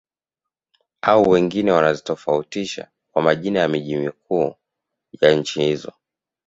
Au wengine wanazitofautisha kwa majina ya miji mikuu ya nchi hizo